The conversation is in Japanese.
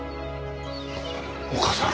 お母さん。